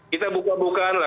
kita buka bukaan lah